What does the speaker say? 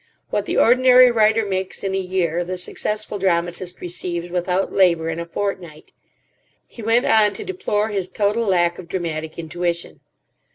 What the ordinary writer makes in a year the successful dramatist receives, without labour, in a fortnight." He went on to deplore his total lack of dramatic intuition.